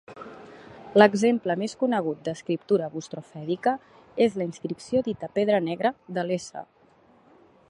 L'exemple més conegut d'escriptura bustrofèdica és la inscripció dita pedra negra, del s.